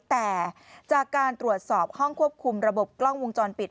แต่จากการตรวจสอบห้องควบคุมระบบกล้องวงจรปิด